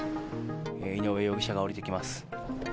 井上容疑者が降りてきます。